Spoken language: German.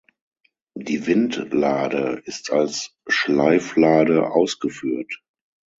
Die Windlade ist als Schleiflade ausgeführt.